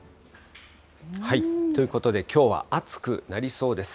ということで、きょうは暑くなりそうです。